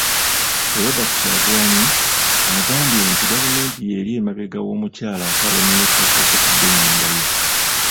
Robert Kyagulanyi agambye nti gavumenti y'eri emabega w'omukyala akaayanira ettaka okutudde ennyumba ye.